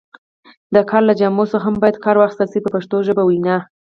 د کار له جامو څخه هم باید کار واخیستل شي په پښتو وینا.